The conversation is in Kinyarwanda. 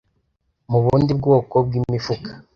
mubundi bwoko bwimifuka